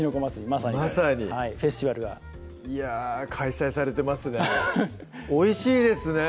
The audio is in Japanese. まさにまさにフェスティバルがいや開催されてますねおいしいですね！